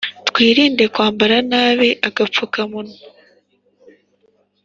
twirinde kwambara nabi agapfukamunwa